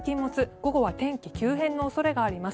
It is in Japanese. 午後は天気急変の恐れがあります。